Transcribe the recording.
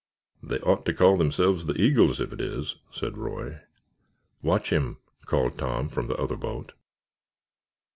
"They ought to call themselves the Eagles, if it is," said Roy. "Watch him," called Tom from the other boat.